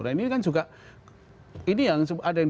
nah ini kan juga ini yang ada yang